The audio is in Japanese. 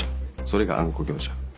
それがあんこ業者。